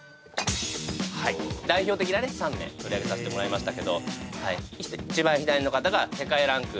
代表的な３名取り上げさせてもらいましたけど一番左の方が世界ランク